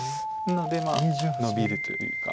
なのでノビるというか。